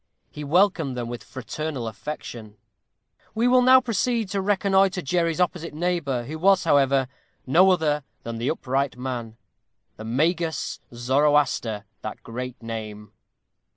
He welcomed them with fraternal affection. We will now proceed to reconnoitre Jerry's opposite neighbor, who was, however, no other than that Upright Man, The Magus Zoroaster, that great name.